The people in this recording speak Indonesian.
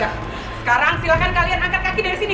sekarang silahkan kalian angkat kaki dari sini